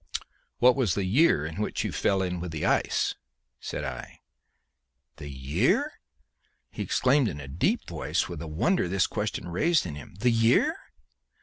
"What was the year in which you fell in with the ice?" said I. "The year?" he exclaimed in a voice deep with the wonder this question raised in him; "the year?